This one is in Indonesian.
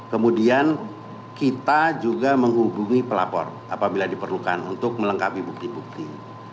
kemudian kita juga menghubungi pelapor apabila diperlukan untuk melengkapi bukti bukti